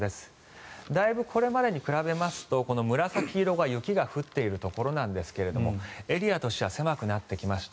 だいぶこれまでに比べますと紫色が雪が降っているところなんですがエリアとしては狭くなってきました。